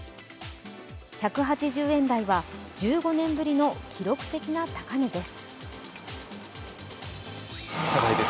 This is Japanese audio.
１８０円台は１５年ぶりの記録的な高値です。